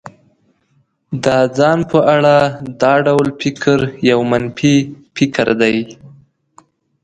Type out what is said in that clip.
د ځان په اړه دا ډول فکر يو منفي فکر دی.